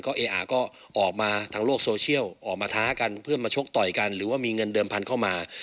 ก็เออะก็ออกมาทางโลกโซเชียลออกมาท้ากันเพื่อมาชกต่อยกันหรือว่ามีเงินเดิมพันธุ์เข้ามา